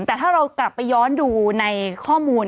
แต่ถ้าเรากลับไปย้อนดูในข้อมูล